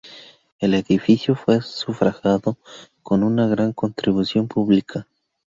El edificio fue sufragado con una gran contribución pública.